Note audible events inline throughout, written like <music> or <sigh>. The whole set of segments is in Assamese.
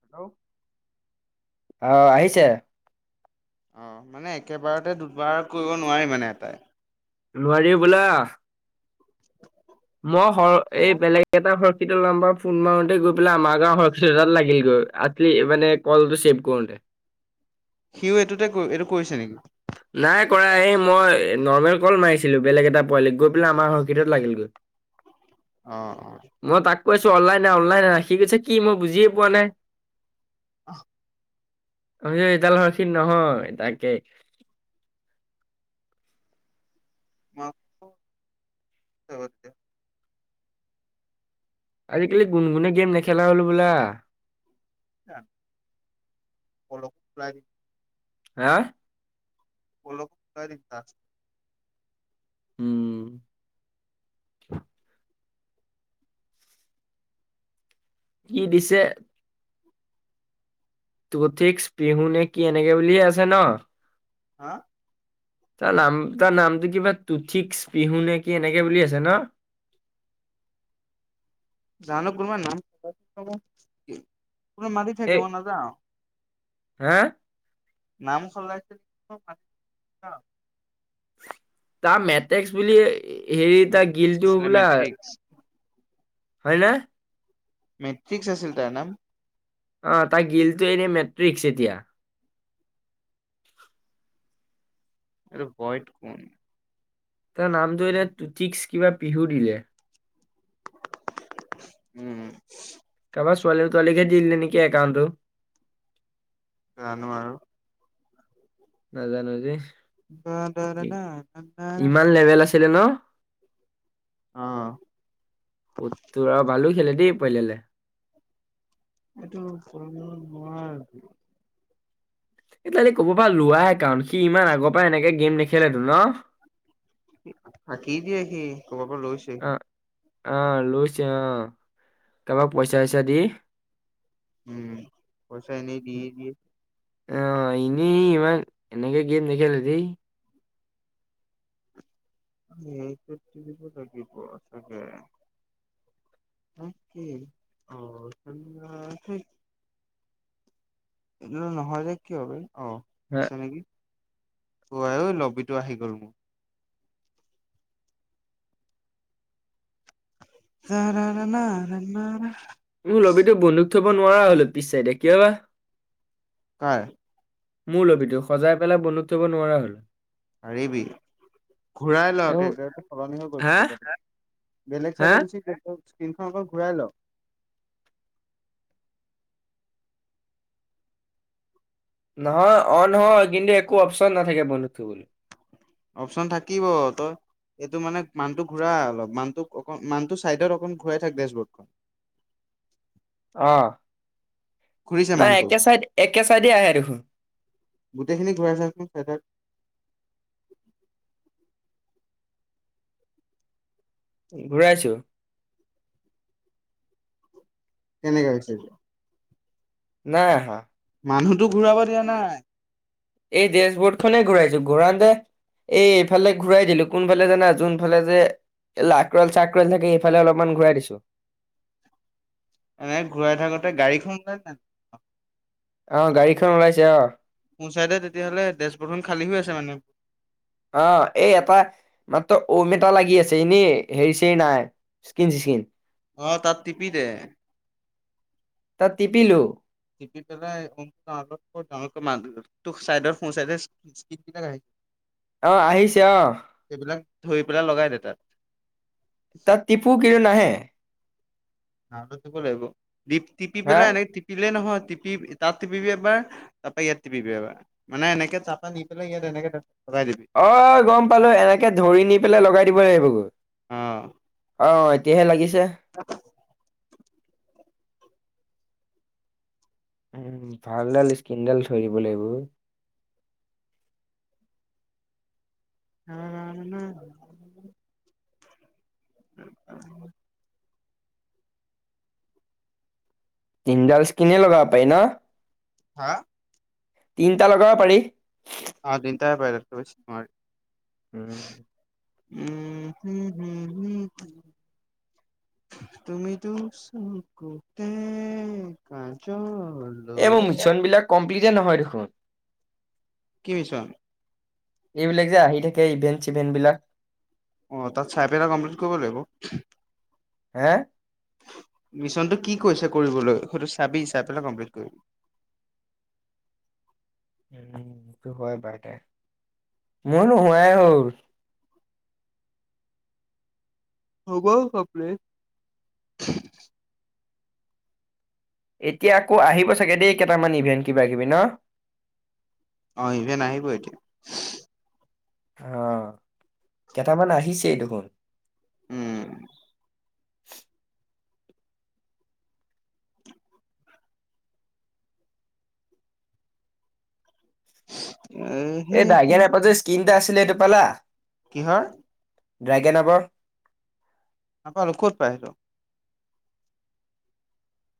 হেল্ল' অ, আহিছে অ' মানে একেবাৰতে দুবাৰ কৰিব নোৱাৰি মানে এটাই। নোৱাৰি হ'বলা! মই <unintelligible> এই বেলেগ এটা <unintelligible> সেইটো নম্বৰত ফোন মাৰোতে গৈ পেলাই আমাৰ গাঁৱৰ <unintelligible> লাগিল গৈ। আজি, মানে কলটো ছেভ কৰোঁতে। সিও এইটোতে এইটো কৰিছে নেকি? নাই কৰা। এই, মই নৰ্মেল কল মাৰিছিলো, বেলেগ এটা পোৱালিক। গৈ পেলাই আমাৰ হৰ্কিটত লাগিল গৈ। <inaudible> অ। <inaudible> কৈছো অনলাইন নাই, অনলাইন নাই। সি কৈছে কি? মই বুজিয়ে পোৱা নাই? আঃ। এইডাল ৰছী নহয়, তাকে। মা <unintelligible> তে আজিকালি গুণগুণে গেম নেখেলা হ'ল হব'লা! সেয়া, অলপ প্ৰায় হা? বল'ক, <unintelligible> উম, <inaudible> কি দিছে তো ইঠিক্স পিহু, নে কি এনেকে বুলিয়ে আছে ন। হা? তাৰ নাম, তাৰ নামটো কিবা টুথিক্স পিহু নে কি, এনেকে বুলি আছে ন? জানো কোনোবাৰ নাম <unintelligible> মাতি এই থাকে মই নাযাওঁ। হা? নাম সলাই <inaudible> তাৰ মেটিক্স বুলি হেৰি, তাৰ মেট্ৰিক্স গিলটো আছিলে বোলা, মেট্ৰিক্স। হয় না? মেট্ৰিক্স আছিল তাৰ নাম? অ', তাৰ গিলটো এনে মেট্ৰিক্স এতিয়া। এইটো বইট কোন। তাৰ নামটো এতিয়া টুটিক্স কিবা পিহু দিলে। উম। কাৰবাৰ ছোৱালী তোৱালীকে দি দিলে নেকি একাউণ্টটো। জানো আৰু নাজানো দেই। ব দাৰ ন ন খেলে ন, অ', <unintelligible> আৰু ভালো খেলে দি পইলেলে এইটো <unintelligible> এইডালে ক'ৰবাৰ পৰা লোৱা একাউণ্ট, সি ইমান আগৰ পৰা এনেকে গে'ম নেখেলেটো ন? ফাঁকি দিয়ে সি, ক'ৰবাৰ পৰা লৈছে অ সি। অ', লৈছে অ', কাৰোবাক পইচা চইচা দি। উম, পইচা এনেই দিয়েই দিয়ে। অ', ইনেই ই ইমান এনেকে গেম নেখেলে দেই। এইটোত টিপিব লাগিব চাগে <unintelligible> এইটো নহয় যে কিয় বে, অ', হা, হৈছে নেকি উৱাইও ল'বিটো আহি গ'ল মোৰ। য ন ন মোৰ লবিটো বন্দুক থব নোৱাৰা হ'লো পিছচাইদে কিয়বা? কাৰ? মোৰ লবিটো, সজাই পেলাই বন্দুক থব নোৱাৰা হ'ল। পাৰিবি। ঘূৰাই ল এও কেজাৰটো সলনি হৈ গ'ল হা চাগে গাধা। বেলেগ হা চাইডে গুচি <unintelligible> স্ক্ৰিনখন অক ঘূৰাই ল। নহয় অন হয় কিন্তু একো অপচন নাথাকে বন্ধুক কইবলৈ। অপচন থাকিব। তই এটো মানে মানটো ঘুৰা অলপ মানটোক অক-মানটো চাইডত অকণ ঘূৰাই থাক ডেছবৰ্ডখন। অ'। ঘূৰিছে নাই মানটো। একে চাইড, একে চাইডে আহে দেখোন। গোটেইখিনি ঘূৰাই চাচোন চেটাৰ। ঘূৰাইছো। কেনেকে হৈছে এতিয়া। নাই আহা। মানুহতো ঘূৰাব দিয়া নাই। এই ডেছবৰ্ডখনে ঘূৰাইছো। ঘূৰানতে এই এইফালে ঘূৰাই দিলো, কোনফালে জানা জোনফালে যে এ লাক্ৰল চাক্ৰল থাকে এফালে অলপমান ঘূৰাই দিছোঁ। এনেই ঘূৰাই থাকোতে গাড়ীখন <unintelligible> অ' গাড়ীখন ওলাইছে অ'। সোঁচাইদে তেতিয়াহ'লে ডেছবৰ্ডখন খালী হৈ আছে মানে। অ' এই এটা মাত্ৰ ঔম এটা লাগি আছে। এনে হেৰি চেই নাই। স্কীন চিচকীন। অ' তাত টিপি দে। তাত টিপিলো টিপি পেলাই <unintelligible> ডাঙকে মাত। তোক চাইডত, সোঁ চাইডে <unintelligible> অ' আহিছে অ'। ধই পেলাই লগাই দে তাত। তাত টিপু কিনো নাহে। <unintelligible> লাগিব। দিপ-টিপি হা পেলাই এনেকে টিপিলে নহয় টিপি, তাত টিপিবি এবাৰ তাপা ইয়াত টিপিবি এবাৰ। মানে এনেকে তাপা নি পেলাই ইয়াত এনেকে লগাই দিবি অ' গম পালো, এনেকে ধৰি নি পেলাই লগাই দিব লাগিবগৈ অ' অ'। এতিয়াহে লাগিছে <inaudible> উ ভালডাল স্কীনডাল থৈ দিব লাগিব ঐ। <inaudible> <inaudible> <inaudible> তিনডাল স্কীনে লগাব পাই ন। হা? তিনটা লগাব পাৰি। আ তিনতাই পাই তাতকৈ বেছি নোৱাৰি। উম। উ, হ, হ, হ, হ। তুমি দুচকুতে কাজল এই মো মিছনবিলাক কমপ্লিটে নহয় দেখোন। কি মিছন? এইবিলাক যে আহি থাকে ইভেন্ট-চিভেণ্টবিলাক। অ' তাত চাইপেলা কমপ্লিট কইব লাগিব। হে? মিছনটো কি কৈছে কৰিবলৈ সৈটো চাবি, চাই পেলাই কমপ্লিট কইবি। <unintelligible> হবল সপৰে এতিয়া আকৌ আহিব চাগে দেই কেইটামান ইভেণ্ট কিবা কিবি ন অ ইভেন আহিব এতিয়া আহ কেইটামান আহিছেই দেখোন উম <unintelligible> এ এটা আছিলে এইটো পালা কিহৰ <unintelligible> নাপালো ক'ত পায়িলো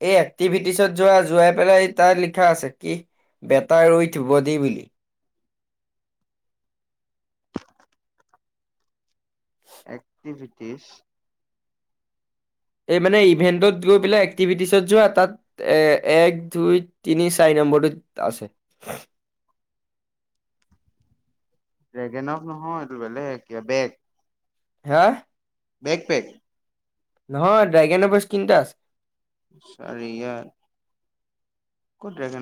এই এক্টিভিটিছত যোৱা যোৱাই পেলাই ত লিখা আছে কি বেতাই ৰই থিব দি বুলি এক্টিভিটিছ এই মানে ইভেন্টত গৈ পেলাই এক্টিভিটিছত যোৱা তাত এ এক দুই তিনি চাৰি ন নম্বৰ টোত আছে ড্ৰেগেনক নহয় এইটো বেলেগ <unintelligible> হে বেগ পেগ নহয় ড্ৰেগান এফছ কিনটা আছে <unintelligible> ইয়াৰ <unintelligible>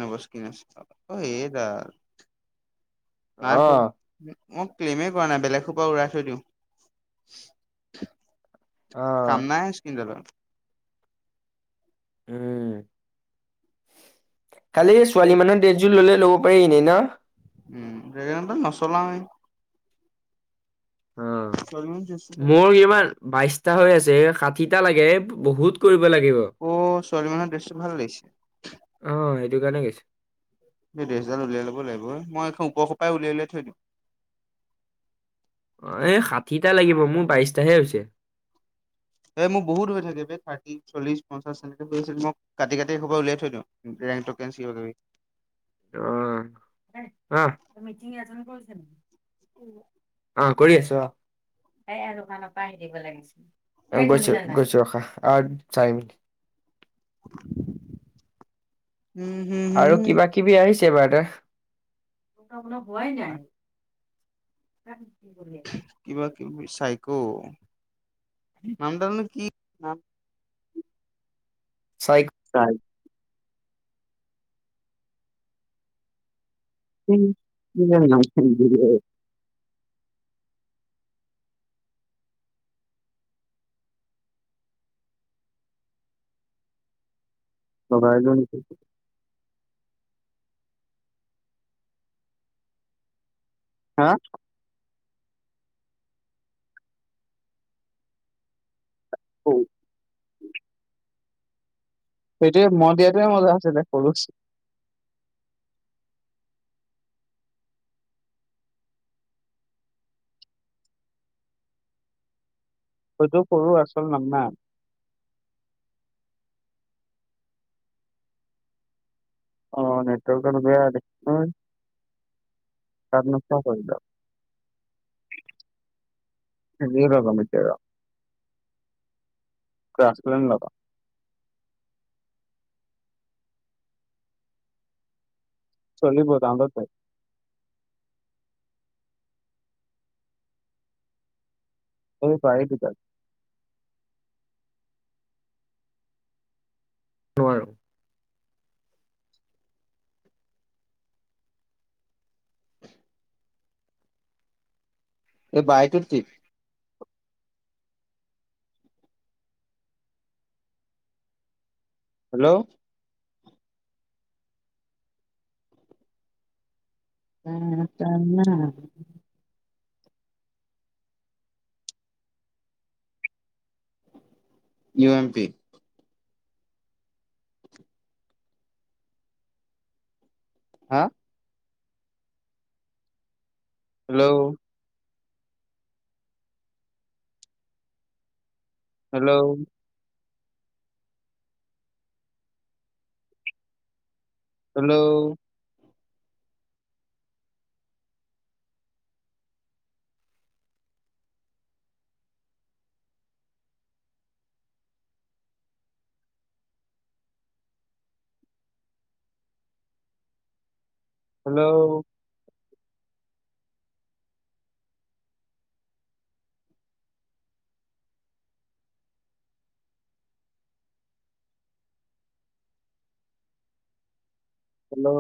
নাই পোৱা অ', মই ক্লেইমে কৰা নাই বেলেগৰ পৰা উৰাই থৈ দিওঁ কাম অ', নাই <unintelligible> উ কালি ছোৱালী মানে দেজজু ললে <unintelligible> <unintelligible> অ ছোৱালী মানুহ ড্ৰেছটো মোৰ ইমান বাইশটা হৈ আছে এই হাঠিটা লাগে বহুত ক অ চাল মানৰ ড্ৰেছটো ভাল লাগিছে <unintelligible> গৈছে এই <unintelligible> উলিয়াই লব লাগিব মই এখন ওপৰ স পৰা উলিয়াই উলিয়াই থৈ দিম এই ষাঠিটা লাগিব মোৰ বাইশটাহে হৈছে এ মোৰ বহুত হৈ থাকে ব থাৰ্টি চল্লিছ পঞ্চাশ তেনেকে হৈ আছিল মোক কাটি কাটি এবাৰ উলিয়াই থৈ দিওঁ <unintelligible> আহ আহ আহ কৰি আছো আহ এ আৰু দোকানৰ পৰা আহি দিব লাগিছিল গৈছ গৈছো ৰখা আৰু চাই মি উম, হম, হম, আৰু কিবা হম। কিবি আহিছে বা হোৱাই নাই <unintelligible> <unintelligible> চাই <unintelligible> উম <unintelligible> <unintelligible> <unintelligible> অ সেইটোৱে মই দিয়াতোৱে মজা আছিলে সৰুচ হয়তো কৰু আচল নাম না অ' নেটৱৰ্কক <unintelligible> তাৰপ নোপোৱা কৰিলা। যিয়ে ভাবা মিত্ৰৰ আৰু ক্ৰাৰচপালন ল'বা। চলিব টাউনতে অ' চাইদ দুটা নোৱাৰোঁ। এই বাইটোৰ ঠিক হেল্ল' উম, জানা ইউ এম পি হা hello hello hello hello hello